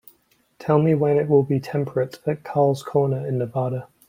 Tell me when it will be temperate at Carl's Corner, in Nevada